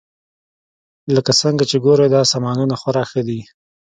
لکه څنګه چې ګورئ دا سامانونه خورا ښه دي